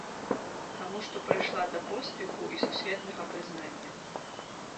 Таму што прыйшла да поспеху і сусветнага прызнання.